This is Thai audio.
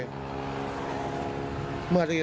เมื่อที่ทำรวจมาเราก็เลยให้